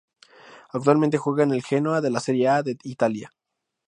Actualmente juega en el Genoa de la Serie A de Italia.